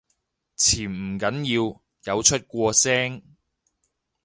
潛唔緊要，有出過聲